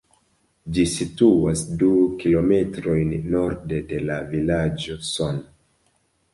Ĝi situas du kilometrojn norde de la vilaĝo Son.